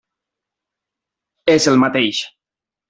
És el mateix.